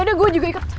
eh udah gue juga ikut